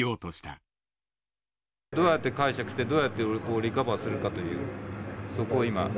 どうやって解釈してどうやってリカバーするかというそこを今。